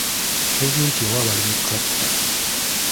Gavumenti yawa abalimi ttulakita.